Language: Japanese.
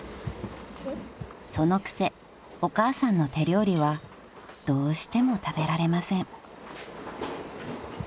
［そのくせお母さんの手料理はどうしても食べられません］